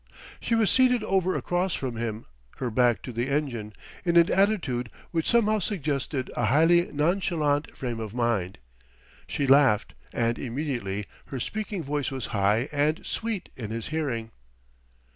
She was seated over across from him, her back to the engine, in an attitude which somehow suggested a highly nonchalant frame of mind. She laughed, and immediately her speaking voice was high and sweet in his hearing.